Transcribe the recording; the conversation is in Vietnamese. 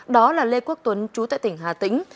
đó là lê quốc tuấn chú tại tỉnh hà tĩnh